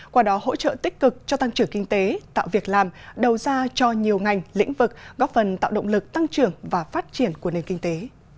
qua đó hỗ trợ tích cực cho tăng trưởng kinh tế tạo việc làm đầu ra cho nhiều ngành lĩnh vực góp phần tạo động lực tăng trưởng và phát triển của nền kinh tế